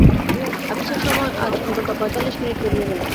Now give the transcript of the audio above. আপিসের সময় আজ অন্তত পঁয়তাল্লিশ মিনিট পেরিয়ে গেল।